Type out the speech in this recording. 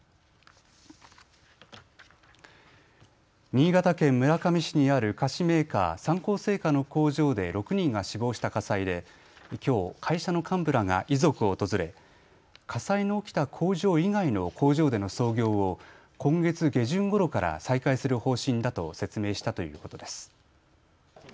新潟県村上市にある菓子メーカー、三幸製菓の工場で６人が死亡した火災できょう会社の幹部らが遺族を訪れ火災の起きた工場以外の工場での操業を今月下旬ごろから再開する方針だと説明したということです。